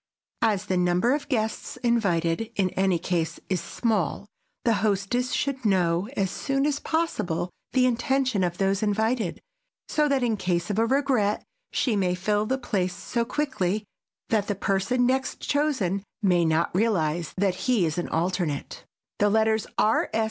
As the number of guests invited in any case is small, the hostess should know as soon as possible the intention of those invited, so that, in case of a regret, she may fill the place so quickly that the person next chosen may not realize that he is an alternate. The letters R.